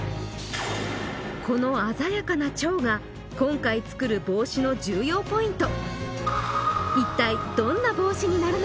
この鮮やかな蝶が今回作る帽子の重要ポイント